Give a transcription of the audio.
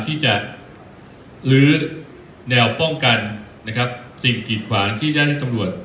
ที่จะลื้อแนวป้องกันนะครับสิ่งกิดขวางที่ด้านให้ตำรวจ